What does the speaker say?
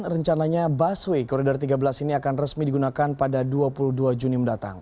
rencananya busway koridor tiga belas ini akan resmi digunakan pada dua puluh dua juni mendatang